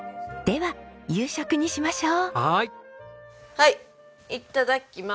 はいいただきます。